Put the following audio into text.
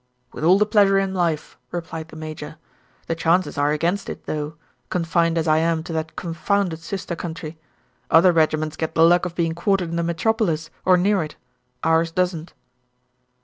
"With all the pleasure in life," replied the major. "The chances are against it though, confined as I am to that confounded sister country. Other regiments get the luck of being quartered in the metropolis, or near it; ours doesn't."